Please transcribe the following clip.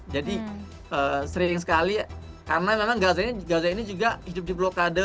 sering sekali karena memang gaza ini juga hidup di blokade